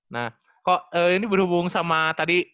nah kok ini berhubung sama tadi